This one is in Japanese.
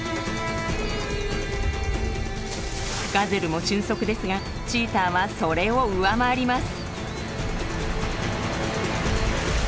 ガゼルも俊足ですがチーターはそれを上回ります。